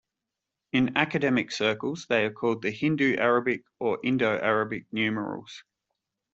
In academic circles they are called the "Hindu-Arabic" or "Indo-Arabic" numerals.